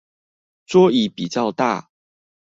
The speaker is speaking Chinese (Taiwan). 桌椅比較大